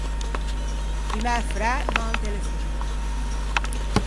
I mæ fræ m’an telefonou.